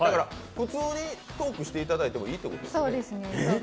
普通にトークしていただいてもいいということですね。